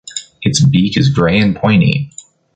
Its beak is grey and pointy.